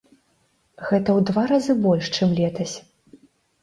Гэта ў два разы больш, чым летась.